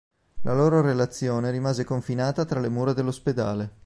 La loro relazione rimase confinata tra le mura dell'ospedale.